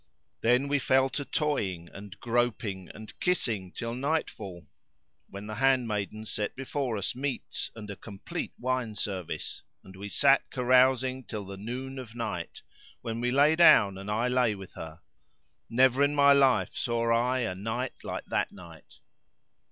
Then we fell to toying and groping and kissing till night fall, when the handmaidens set before us meats and a complete wine service, and we sat carousing till the noon of night, when we lay down and I lay with her; never in my life saw I a night like that night.